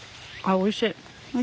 おいしい？